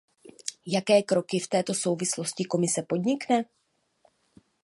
Jaké kroky v této souvislosti Komise podnikne?